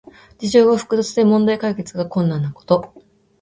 事情が複雑で問題解決が困難なこと。